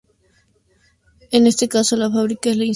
En este caso la fábrica es la institución social representativa.